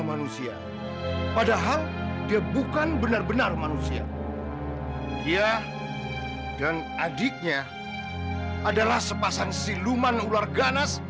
manusia padahal dia bukan benar benar manusia dia dan adiknya adalah sepasang siluman ular ganas